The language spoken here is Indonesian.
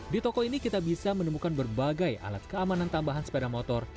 di toko ini kita bisa menemukan berbagai alat keamanan tambahan sepeda motor